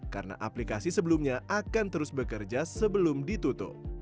karena aplikasi sebelumnya akan terus bekerja sebelum ditutup